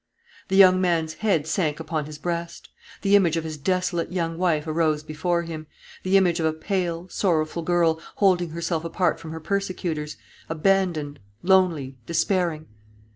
The young man's head sank upon his breast. The image of his desolate young wife arose before him; the image of a pale, sorrowful girl, holding herself apart from her persecutors, abandoned, lonely, despairing.